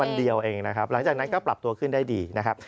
วันเดียวเองนะครับหลังจากนั้นก็ปรับตัวขึ้นได้ดีนะครับ